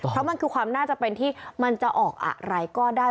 เพราะมันคือความน่าจะเป็นที่มันจะออกอะไรก็ได้